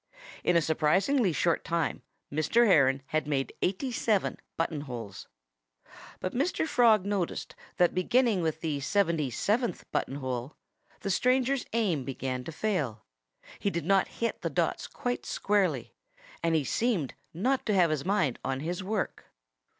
In a surprisingly short time Mr. Heron had made eighty seven button holes. But Mr. Frog noticed that beginning with the seventy seventh button hole the stranger's aim began to fail. He did not hit the dots quite squarely. And he seemed not to have his mind on his work.